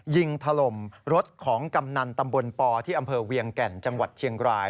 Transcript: ถล่มรถของกำนันตำบลปที่อำเภอเวียงแก่นจังหวัดเชียงราย